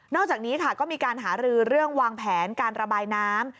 อกจากนี้ค่ะก็มีการหารือเรื่องวางแผนการระบายน้ำ